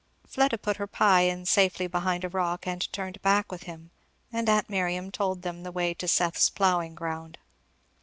Fleda put her pie in safety behind a rock, and turned back with him, and aunt Miriam told them the way to Seth's ploughing ground.